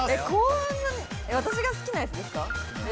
私が好きなやつですか？